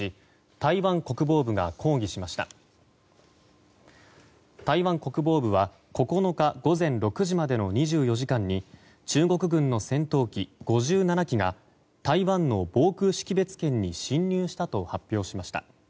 台湾国防部は９日午前６時までの２４時間に中国軍の戦闘機５７機が台湾の防空識別圏に侵入したと発表しました。